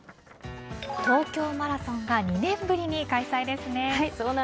東京マラソンが２年ぶりに開催ですね。